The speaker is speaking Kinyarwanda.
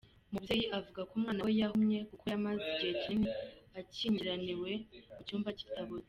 Umubyeyi avuga ko umwana we yahumye kuko yamaze igihe kinini akingiraniwe mu cyumba kitabona.